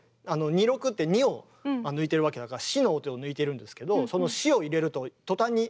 「二六」って２音抜いてるわけだから「シ」の音を抜いてるんですけどその「シ」を入れると途端に。